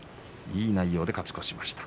いい内容で勝ち越しました。